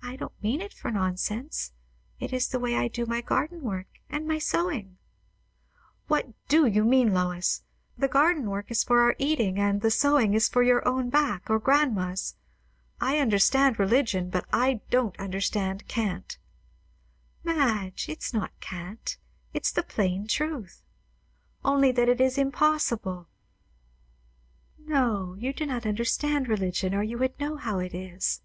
"I don't mean it for nonsense. It is the way I do my garden work and my sewing." "What do you mean, Lois? The garden work is for our eating, and the sewing is for your own back, or grandma's. I understand religion, but I don't understand cant." "Madge, it's not cant; it's the plain truth." "Only that it is impossible." "No. You do not understand religion, or you would know how it is.